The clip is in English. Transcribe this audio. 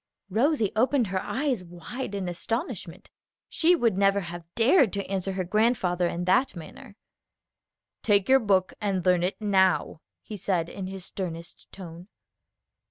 Rosie opened her eyes wide in astonishment. She would never have dared to answer her grandfather in that manner. "Take your book and learn it now," he said in his sternest tone.